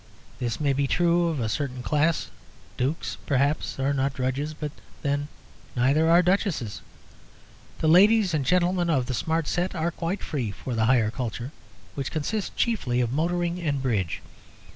This may be true of a certain class. Dukes, perhaps, are not drudges; but, then, neither are Duchesses. The Ladies and Gentlemen of the Smart Set are quite free for the higher culture, which consists chiefly of motoring and Bridge.